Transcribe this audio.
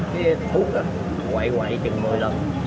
cái thuốc quậy quậy chừng một mươi lần